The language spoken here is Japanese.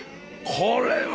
これは。